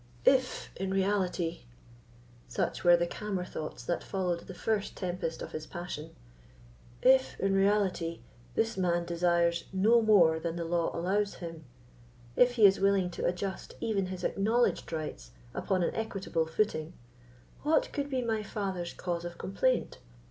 "If, in reality," such were the calmer thoughts that followed the first tempest of his passion—"if, in reality, this man desires no more than the law allows him—if he is willing to adjust even his acknowledged rights upon an equitable footing, what could be my father's cause of complaint?